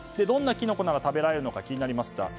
どんなキノコなら食べられるのか気になりました。